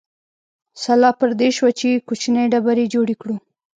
سلا پر دې شوه چې کوچنۍ ډبرې جوړې کړو.